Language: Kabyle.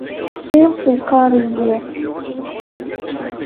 Iḍ iqqar i yiḍ.